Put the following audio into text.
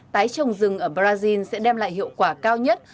tái trồng rừng ở brazil sẽ đem lại hiệu quả cao nhất